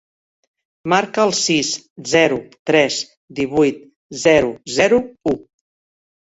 Marca el sis, zero, tres, divuit, zero, zero, u.